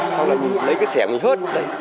xong là lấy cái xẻ mình hớt